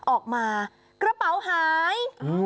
ออกมากระเป๋าหาย